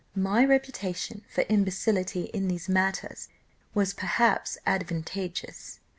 "My reputation for imbecility in these matters was perhaps advantageous.